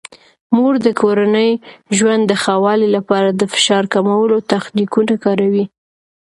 مور د کورني ژوند د ښه والي لپاره د فشار کمولو تخنیکونه کاروي.